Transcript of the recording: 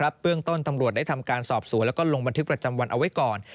เบื้องต้นตำรวจได้ทำการสอบสวนแล้วก็ลงบันทึกประจำวันเอาไว้ก่อน